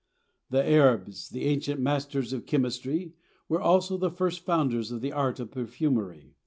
The Arabs, the ancient masters of chemistry, were also the first founders of the art of perfumery.